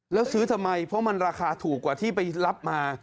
แล้วซื้อทำไมเพราะมันราคาถูกกว่าที่ไปรับมา